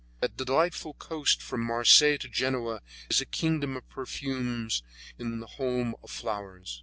That delightful coast from Marseilles to Genoa is a kingdom of perfumes in a home of flowers.